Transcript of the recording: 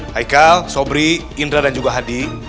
hai kal sobri indra dan juga hadi